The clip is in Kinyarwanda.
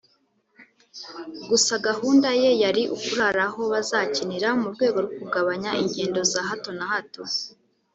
gusa gahunda ye yari ukurara aho bazakinira mu rwego rwo kugabanya ingendo za hato na hato